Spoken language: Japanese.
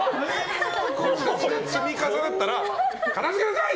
積み重なったら片付けなさい！！